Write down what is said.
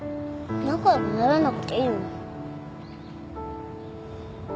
仲良くならなくていいもん。